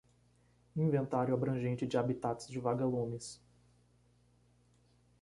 Inventário abrangente de habitats de vaga-lumes